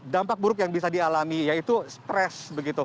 dampak buruk yang bisa dialami yaitu stres